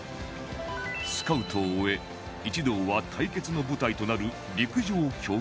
スカウトを終え一同は対決の舞台となる陸上競技場へ